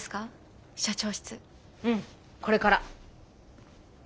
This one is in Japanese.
うんこれから。